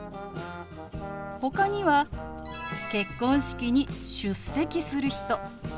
ほかには結婚式に出席する人。